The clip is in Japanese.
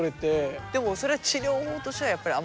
でもそれは治療としてはやっぱりあんまり。